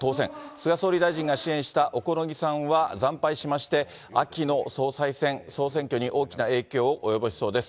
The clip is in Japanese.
菅総理大臣が支援した小此木さんは惨敗しまして、秋の総裁選、総選挙に大きな影響を及ぼしそうです。